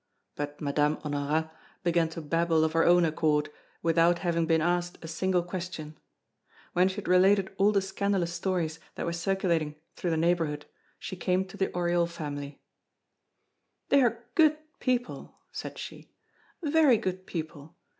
But Madame Honorat began to babble of her own accord, without having been asked a single question. When she had related all the scandalous stories that were circulating through the neighborhood, she came to the Oriol family: "They are good people," said she, "very good people.